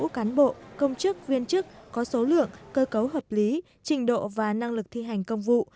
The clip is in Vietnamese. cán bộ công chức viên chức có số lượng cơ cấu hợp lý trình độ và năng lực thi hành công vụ